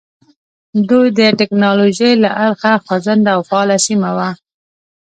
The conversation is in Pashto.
دوی د ټکنالوژۍ له اړخه خوځنده او فعاله سیمه وه.